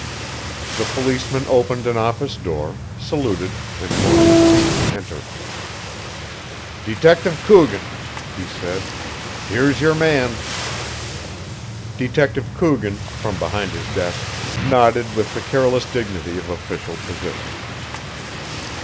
The policeman opened an office door, saluted, and motioned me to enter. "Detective Coogan," he said, "here's your man." Detective Coogan, from behind his desk, nodded with the careless dignity of official position.